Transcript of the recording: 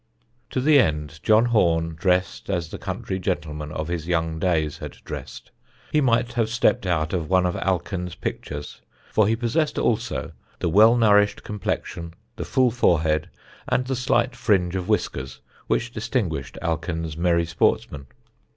To the end John Horne dressed as the country gentlemen of his young days had dressed; he might have stepped out of one of Alken's pictures, for he possessed also the well nourished complexion, the full forehead, and the slight fringe of whiskers which distinguished Alken's merry sportsmen.